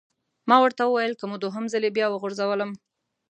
ما ورته وویل: که مو دوهم ځلي بیا وغورځولم!